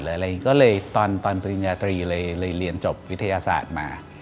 อะไรอย่างนี้ก็เลยตอนปริญญาตรีเลยเรียนจบวิทยาศาสตร์มา